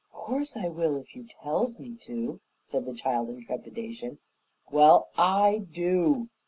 "'Course I will, if you tells me to," said the child in trepidation. "Well, I DO.